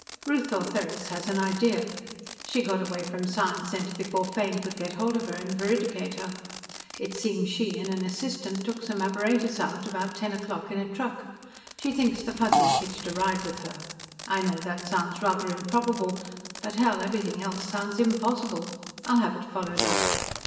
"Ruth Ortheris has an idea. She got away from Science Center before Fane could get hold of her and veridicate her. It seems she and an assistant took some apparatus out, about ten o'clock, in a truck. She thinks the Fuzzies hitched a ride with her. I know that sounds rather improbable, but hell, everything else sounds impossible. I'll have it followed up.